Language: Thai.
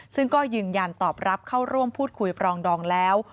ซึ่งก็ยืนยันตอบรับเข้าร่วมพูดคุยปรองดองแล้ว